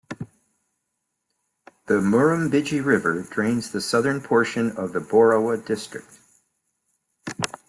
The Murrumbidgee River drains the southern portion of the Boorowa district.